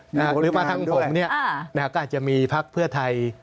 หรือมาทางผมเนี่ยก็อาจจะมีภักดิ์เพื่อไทย